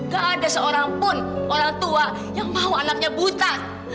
gak ada seorang pun orang tua yang mau anaknya buta